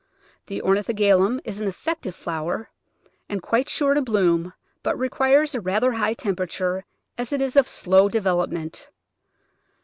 The Ornithogalum is an effective flower, and quite sure to bloom, but requires a rather high temperature, as it is of slow development.